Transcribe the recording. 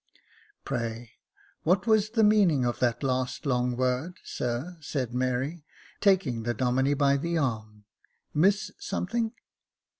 " Pray, what was the meaning of that last long word, sir," said Mary, taking the Domine by the arm, " mis — something."